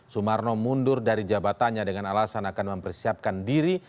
sumarno mundur dari jabatannya dengan alasan akan mempersiapkan diri